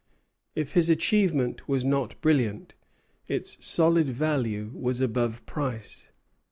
If his achievement was not brilliant, its solid value was above price.